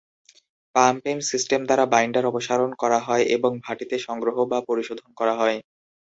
Pumping system দ্বারা binder অপসারণ করা হয় এবং ভাটিতে সংগ্রহ বা পরিশোধন করা হয়।